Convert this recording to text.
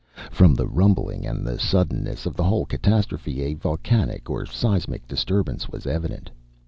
From the rumbling and the suddenness of the whole catastrophe a volcanic or seismic disturbance was evident.